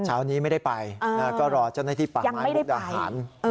เช้านี้ไม่ได้ไปก็รอจนได้ที่ป่าม้ายบุตรอาหาร